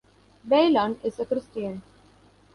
Bailon is a Christian.